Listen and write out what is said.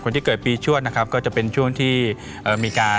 ที่เกิดปีชวดนะครับก็จะเป็นช่วงที่มีการ